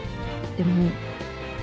でも？